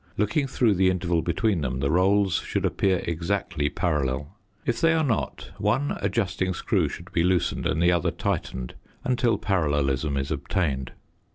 Looking through the interval between them the rolls should appear exactly parallel; if they are not, one adjusting screw should be loosened and the other tightened until parallelism is obtained.